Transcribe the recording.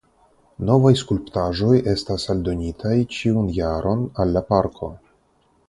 Novaj skulptaĵoj estas aldonitaj ĉiun jaron al la parko.